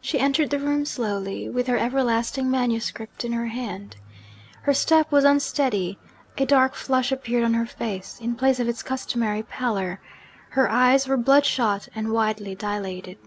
She entered the room slowly with her everlasting manuscript in her hand. Her step was unsteady; a dark flush appeared on her face, in place of its customary pallor; her eyes were bloodshot and widely dilated.